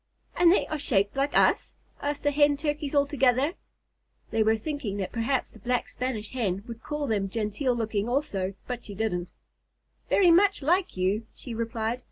"And they are shaped like us?" asked the Hen Turkeys all together. They were thinking that perhaps the Black Spanish Hen would call them genteel looking also, but she didn't. "Very much like you," she replied.